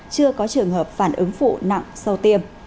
chưa có trường hợp phản ứng phụ nặng sau tiêm